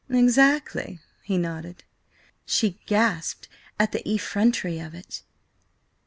"Exactly," he nodded. She gasped at the effrontery of it.